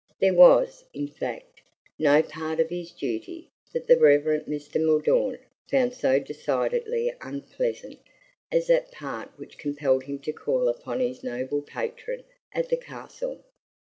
There was, in fact, no part of his duty that the Reverend Mr. Mordaunt found so decidedly unpleasant as that part which compelled him to call upon his noble patron at the Castle.